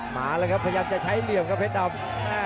มาแล้วครับพยายามจะใช้เหลี่ยมครับเพชรดำ